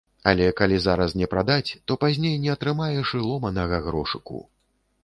Але калі зараз не прадаць, то пазней не атрымаеш і ломанага грошыку.